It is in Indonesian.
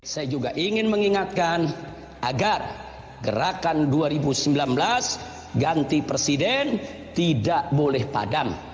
saya juga ingin mengingatkan agar gerakan dua ribu sembilan belas ganti presiden tidak boleh padam